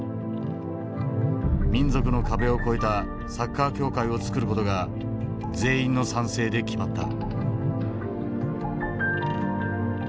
民族の壁を超えたサッカー協会を作る事が全員の賛成で決まった。